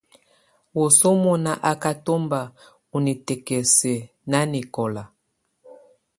Wǝ́suǝ́ munà á ká tɔmba u nikǝ́kǝ́siǝ̀ nanɛkɔla.